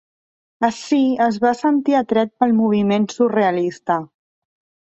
Ací es va sentir atret pel moviment surrealista.